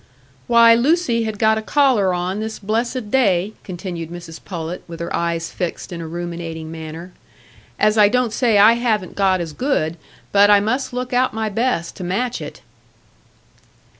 "Why, Lucy had got a collar on this blessed day," continued Mrs Pullet, with her eyes fixed in a ruminating manner, "as I don't say I haven't got as good, but I must look out my best to match it."